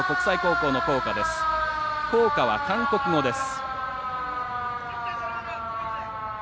校歌は、韓国語です。